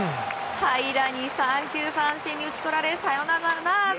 平良に三球三振に打ち取られサヨナラならず。